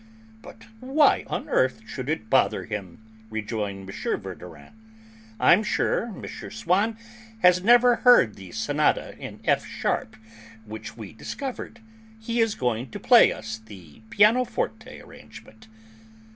"But why on earth should it bother him?" rejoined M. Verdurin. "I'm sure M. Swann has never heard the sonata in F sharp which we discovered; he is going to play us the pianoforte arrangement."